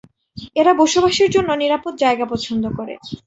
এরা বসবাসের জন্য নিরাপদ জায়গা পছন্দ করে।